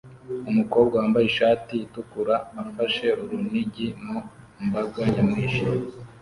Umukobwa wambaye ishati itukura afashe urunigi mu mbaga nyamwinshi